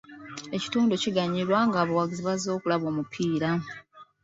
Ekitundu kiganyulwa ng'abawagizi bazze okulaba omupiira.